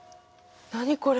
何これ？